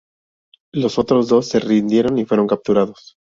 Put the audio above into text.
Los otros dos se rindieron y fueron capturados.